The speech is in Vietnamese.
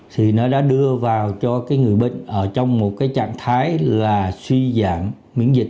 thì nó đã đưa vào cho cái người bệnh ở trong một cái trạng thái là suy giảm miễn dịch